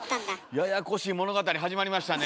ややこしい物語始まりましたね。